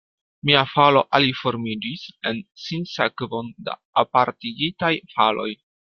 Mia falo aliformiĝis en sinsekvon da apartigitaj faloj.